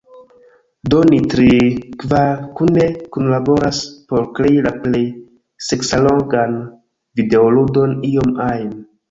Do ni tri… kvar kune kunlaboras por krei la plej seksallogan videoludon iom ajn.